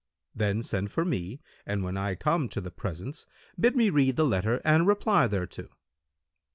Then send for me and, when I come to the presence, bid me read the letter and reply thereto."